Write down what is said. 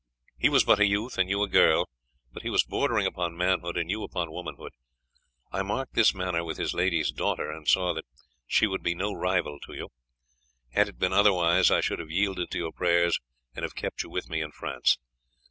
He was but a youth and you a girl, but he was bordering upon manhood and you upon womanhood. I marked his manner with his lady's daughter and saw that she would be no rival to you. Had it been otherwise I should have yielded to your prayers, and have kept you with me in France.